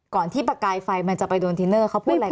ก่อนที่ประกายไฟมันจะไปโดนทีเนอร์เขาพูดอะไรก่อนไหม